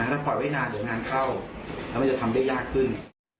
ถ้าปล่อยไว้นานเดี๋ยวงานเข้าแล้วมันจะทำได้ยากขึ้น